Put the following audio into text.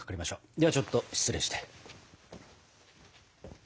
ではちょっと失礼して。